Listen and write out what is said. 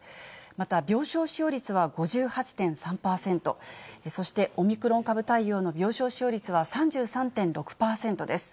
また、病床使用率は５８．３％、そしてオミクロン株対応の病床使用率は３３．６％です。